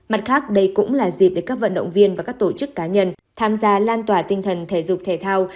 mặt khác đây cũng là dịp để các vận động viên và các tổ chức cá nhân tham gia lan tỏa tinh thần thể dục thể thao